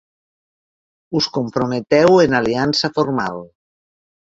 Us comprometeu en aliança formal.